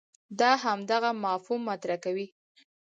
دا همدغه مفهوم مطرح کوي.